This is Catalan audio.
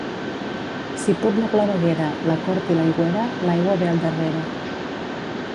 Si put la claveguera, la cort i l'aigüera, l'aigua ve al darrere.